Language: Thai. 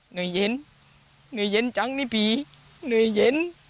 หน่วยเย็นหน่วยเย็นจังนี่ผีหน่วยเย็น